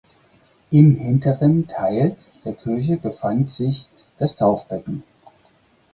Im hinteren Teil der Kirche befand sich das Taufbecken.